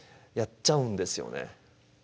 やっちゃうんですよね。